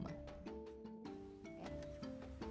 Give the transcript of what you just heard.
ini sudah jadi